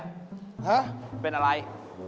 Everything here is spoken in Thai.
ฮะเป็นอะไร